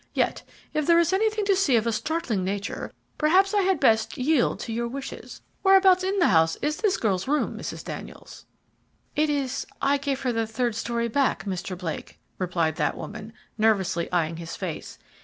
"Yet if there is anything to see of a startling nature, perhaps I had best yield to your wishes. Whereabouts in the house is this girl's room, Mrs. Daniels?" "It is I gave her the third story back, Mr. Blake;" replied that woman, nervously eyeing his face.